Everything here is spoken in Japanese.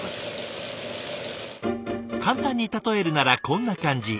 簡単に例えるならこんな感じ。